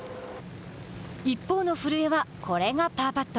一方の古江はこれがパーパット。